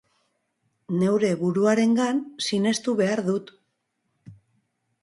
Neure buruarengan sinestu behar dut.